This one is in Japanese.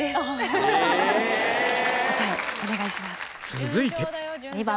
続いて